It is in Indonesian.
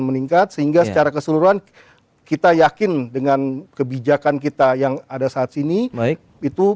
meningkat sehingga secara keseluruhan kita yakin dengan kebijakan kita yang ada saat ini itu